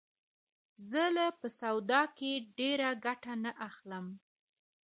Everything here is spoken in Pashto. زه له په سواد کښي ډېره ګټه نه اخلم.